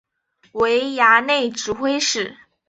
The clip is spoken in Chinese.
为衙内指挥使。